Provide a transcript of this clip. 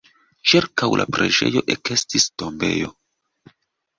Ĉirkaŭ la preĝejo ekestis tombejo.